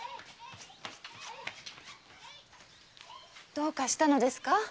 どうかしたのですか？